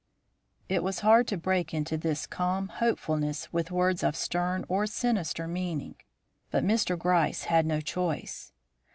It was hard to break into this calm hopefulness with words of stern or sinister meaning. But Mr. Gryce had no choice.